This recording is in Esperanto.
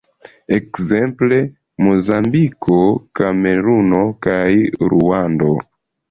Ekzemple, Mozambiko, Kameruno kaj Ruando.